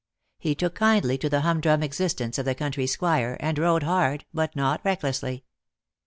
He took kindly to the humdrum existence of the country squire, and rode hard, but not recklessly.